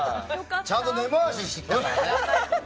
ちゃんと根回ししてきたからね。